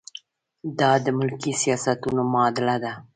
دا د ملکي سیاستونو معادله ده.